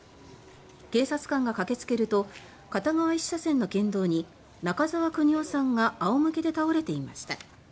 警察官が駆け付けると片側１車線の県道に中澤国夫さんが仰向けで倒れていました。